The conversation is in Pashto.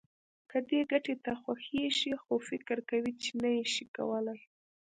که دې ګټه خوښېږي خو فکر کوې چې نه يې شې کولای.